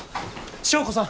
祥子さん！